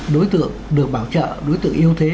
đối tượng được bảo trợ đối tượng yêu thế